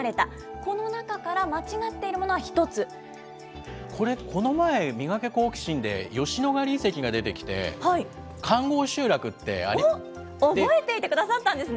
この中から間違っているものが１これ、この前、ミガケ、好奇心！で吉野ヶ里遺跡が出てきて、環ごう集落ってありましたよね？